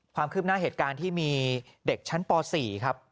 ความคืบหน้าเหตุการณ์ที่มีเด็กชั้นป๔ครับ